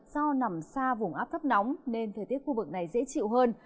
do nằm xa vùng áp thấp nóng nên thời tiết khu vực này dễ chịu hơn